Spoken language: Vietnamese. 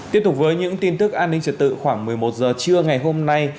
tiếp tục với những tin tức an ninh trật tự khoảng một mươi một h trưa ngày hôm nay